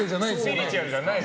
スピリチュアルじゃない。